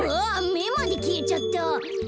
めまできえちゃった。